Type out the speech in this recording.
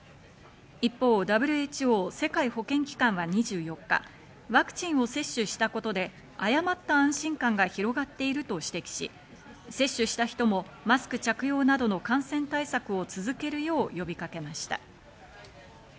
一方、ＷＨＯ＝世界保健機関は２４日、ワクチンを接種したことで誤った安心感が広がっていると指摘し、接種した人もマスク着用などの感染対策を続けるよう呼びかけました。